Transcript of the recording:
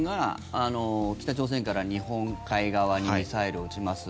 北朝鮮から日本海側にミサイルを撃ちます。